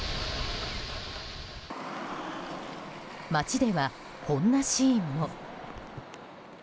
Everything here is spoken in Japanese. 街では、こんなシーンも。